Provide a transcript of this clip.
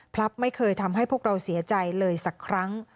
ไม่เคยทำให้พวกเราเสียใจเลยสักครั้ง